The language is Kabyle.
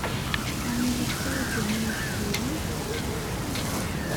Ɛni la tettṛajum inebgiwen?